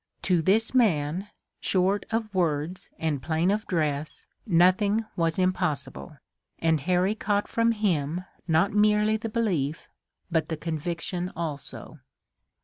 To this man, short of words and plain of dress, nothing was impossible, and Harry caught from him not merely the belief, but the conviction also.